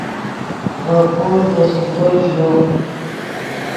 ڤے پور دے سوڤدو ژیو